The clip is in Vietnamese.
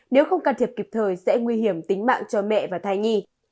nếu không can thiệp kịp thời sẽ nguy hiểm tính mạng cho mẹ và thai nhi